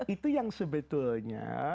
itu yang sebetulnya